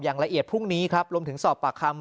อย่างละเอียดพรุ่งนี้ครับรวมถึงสอบปากคำ